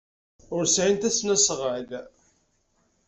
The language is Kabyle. Ur sɛint asnasɣal.